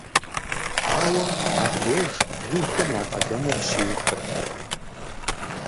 Ауэ абдеж жыгхэм я къалэныр щиухыркъым.